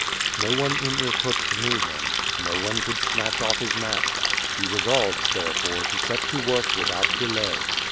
No one in Irkutsk knew him, no one could snatch off his mask. He resolved therefore to set to work without delay.